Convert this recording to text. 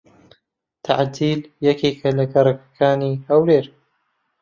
تەعجیل یەکێکە لە گەڕەکەکانی هەولێر.